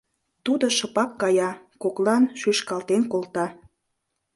Тудо шыпак кая, коклан шӱшкалтен колта.